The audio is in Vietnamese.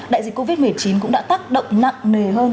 đại dịch covid một mươi chín cũng đã tác động nặng nề hơn